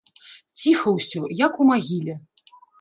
Ціха ўсё, як у магіле.